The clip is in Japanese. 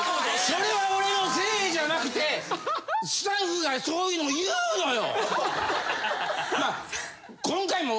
それは俺のせいじゃなくてスタッフがそういうの言うのよ。